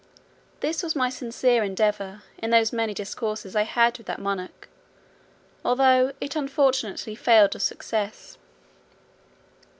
This was my sincere endeavour in those many discourses I had with that monarch, although it unfortunately failed of success.